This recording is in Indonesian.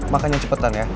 makanya cepetan ya